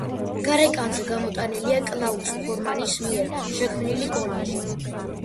გარეკანზე გამოტანილია კლაუს ფორმანის მიერ შექმნილი კოლაჟი.